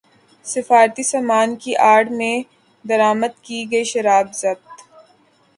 سفارتی سامان کی اڑ میں درامد کی گئی شراب ضبط